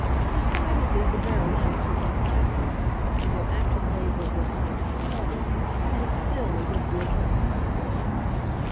Decidedly, the Baroness was incisive; and though Acton bade her good night and departed, he was still a good deal mystified.